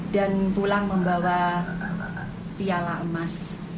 dan pulang membawa piala emas